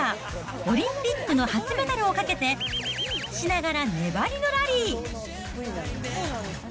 オリンピックの初メダルをかけて、×××しながら粘りのラリー！